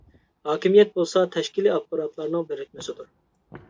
ھاكىمىيەت بولسا تەشكىلى ئاپپاراتلارنىڭ بىرىكمىسىدۇر.